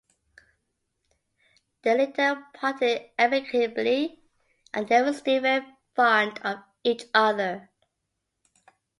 They later parted amicably and were still very fond of each other.